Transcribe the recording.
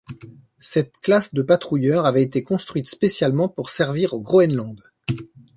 Cette classe de patrouilleurs avait été construite spécialement pour servir au Groenland.